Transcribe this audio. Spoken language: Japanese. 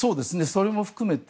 それも含めて。